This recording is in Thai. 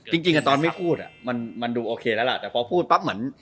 จริงตอนไม่พูดมันดูโอเคแล้วล่ะแต่พอพูดปั๊บเหมือน